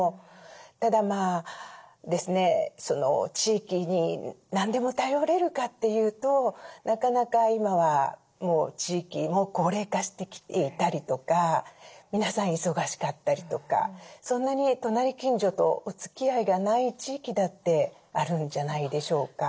ただ地域に何でも頼れるかっていうとなかなか今はもう地域も高齢化してきていたりとか皆さん忙しかったりとかそんなに隣近所とおつきあいがない地域だってあるんじゃないでしょうか。